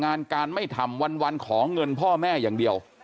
งานการไม่ทำวันขอเงินพ่อแม่อย่างเดียว